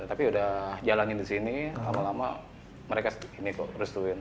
tapi udah jalanin di sini lama lama mereka ini kok restuin